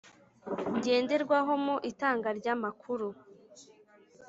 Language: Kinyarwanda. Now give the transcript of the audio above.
Ngenderwaho mu Itanga ry amakuru